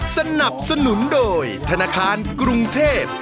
สนับสนุนโดยธนาคารกรุงเทพ